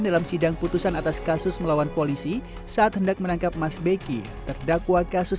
dalam sidang putusan atas kasus melawan polisi saat hendak menangkap mas beki terdakwa kasus